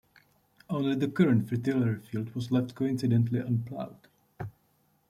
Only the current fritillary field was left coincidentally unploughed.